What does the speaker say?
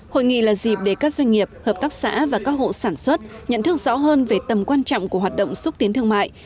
hội nghị là dịp để các doanh nghiệp hợp tác xã và các hộ sản xuất nhận thức rõ hơn về tầm quan trọng của hoạt động xúc tiến thương mại